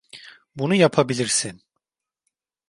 Bunu yapabilirsin.